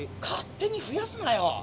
勝手に増やすなよ。